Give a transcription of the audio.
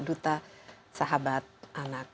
duta sahabat anak